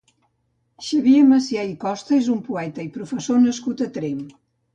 Xavier Macià i Costa és un poeta i professor nascut a Tremp.